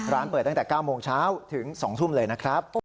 ร้านเปิดตั้งแต่๙โมงเช้าถึง๒ทุ่มเลยนะครับ